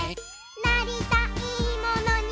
「なりたいものに」